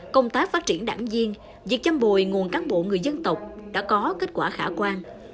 công tác phát triển đảng viên việc chăm bồi nguồn cán bộ người dân tộc đã có kết quả khả quan